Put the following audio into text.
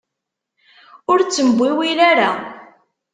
Ur ttembiwil ara.